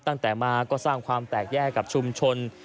ตั้งแต่มาก็สร้างความแตกแยกกับชุมชน